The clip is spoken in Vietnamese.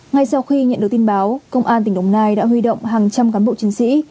ngay sau khi nhận được tin báo công an tỉnh đồng nai đã huy động hàng trăm cán bộ chiến sĩ